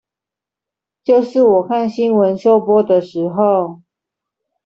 就是我看新聞收播的時候